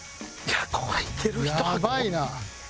やばいな。